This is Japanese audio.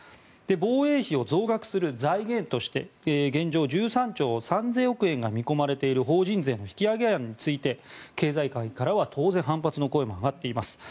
防衛費を増額する財源として現状、１３兆３０００億円が見込まれている法人税の引き上げ案について経済界からは当然反発の声が上がっています。